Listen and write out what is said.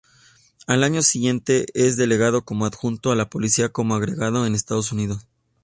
Al año siguiente es delegado como adjunto de Policía como Agregado en Estados Unidos.